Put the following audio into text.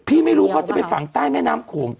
ไม่รู้เขาจะไปฝังใต้แม่น้ำโขง